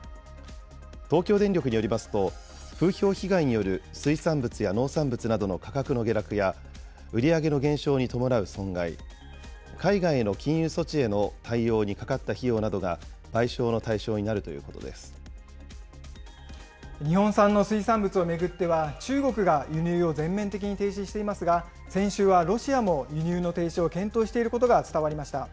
東京電力によりますと、風評被害による水産物や農産物などの価格の下落や、売り上げの減少に伴う損害、海外の禁輸措置への対応にかかった費用などが賠償の対象になると日本産の水産物を巡っては、中国が輸入を全面的に停止していますが、先週はロシアも輸入の停止を検討していることが伝わりました。